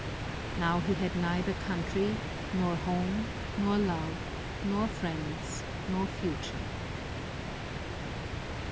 Now he had neither country, nor home, nor love, nor friends, nor future!